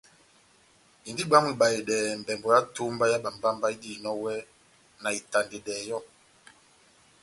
Indini bwámu ibahedɛ mbɛmbɔ yá mbówa yá bámbámbá idihinɔni iwɛ na itandedɛ yɔ́.